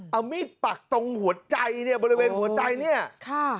เอามีดปักตรงหัวใจเนี่ยบริเวณหัวใจเนี่ยค่ะ